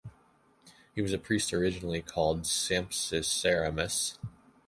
He was a Priest originally called Sampsiceramus.